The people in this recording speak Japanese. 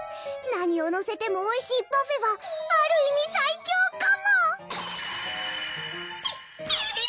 何をのせてもおいしいパフェはある意味最強かもピ！